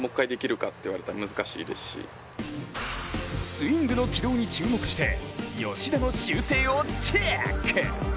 スイングの軌道に注目して吉田の修正をチェック。